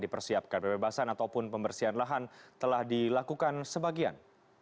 dipersiapkan pembebasan ataupun pembersihan lahan telah dilakukan sebagian